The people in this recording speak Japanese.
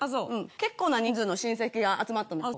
結構な人数の親戚が集まったのよ。